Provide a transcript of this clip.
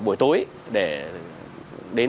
buổi tối để đến